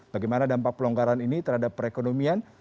bagaimana dampak pelonggaran ini terhadap perekonomian